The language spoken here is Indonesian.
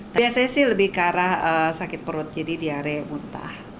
biasanya sih lebih ke arah sakit perut jadi diare muntah